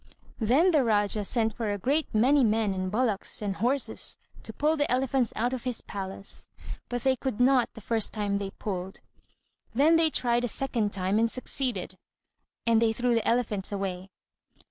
Then the Rájá sent for a great many men and bullocks and horses to pull the elephants out of his palace. But they could not the first time they pulled; then they tried a second time and succeeded, and they threw the elephants away.